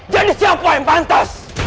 jadi siapa yang pantas